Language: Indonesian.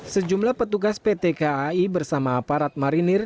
sejumlah petugas pt kai bersama aparat marinir